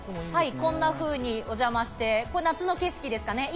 こんなふうにお邪魔して、これ夏の景色ですかね。